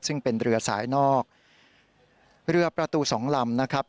ซึ่งเป็นเรือสายนอกเรือประตูสองลำนะครับ